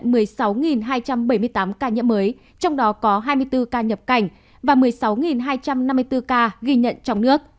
tình hình dịch covid một mươi chín ghi nhận một mươi sáu hai trăm bảy mươi tám ca nhiễm mới trong đó có hai mươi bốn ca nhập cảnh và một mươi sáu hai trăm năm mươi bốn ca ghi nhận trong nước